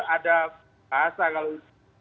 ada bahasa kalau